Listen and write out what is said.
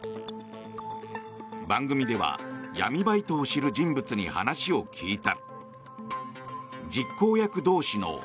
番組では闇バイトを知る人物に話を聞いた。